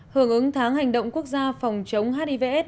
hưởng ứng tháng hành động quốc gia phòng chống hivs